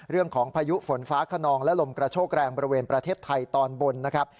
พายุฝนฟ้าขนองและลมกระโชกแรงบริเวณประเทศไทยตอนบนนะครับ